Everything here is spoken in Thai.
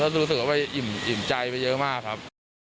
รู้สึกว่าไปอิ่มใจไปเยอะมากครับ